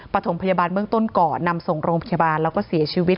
ประถมพยาบาลเบื้องต้นก่อนนำส่งโรงพยาบาลแล้วก็เสียชีวิต